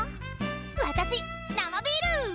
私生ビール！